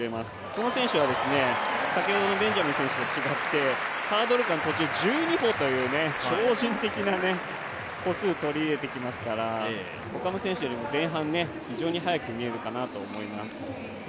この選手は、先ほどのベンジャミン選手と違ってハードル間、途中１２歩という超人的な歩数を取り入れてきますから、他の選手よりも前半、非常に速く見えるかなと思います。